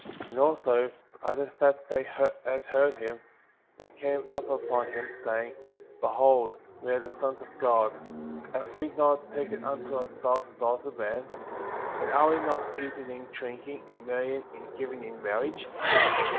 And also, after that they had heard him, they came up before him, saying: Behold, we are the sons of God;^ have we not taken unto ourselves the daughters of men? And are we not eating and drinking, and marrying and giving in marriage?